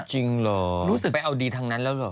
จริงเหรอรู้สึกไปเอาดีทางนั้นแล้วเหรอ